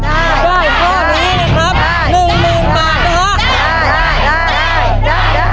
ได้ข้อนี้แหละครับหนึ่งหนึ่งปากพอ